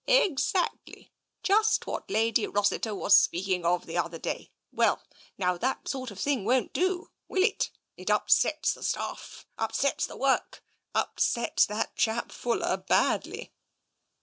" Exactly. Just what Lady Rossiter was speaking of the other day. Well, now that sort of thing won't do, will it? It upsets the staff — upsets the work — upsets that chap Fuller, badly.